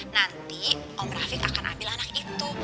nanti om rafiq akan ambil anak itu